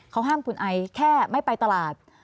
เขาห้ามคุณไอแค่ไม่ไปตลาด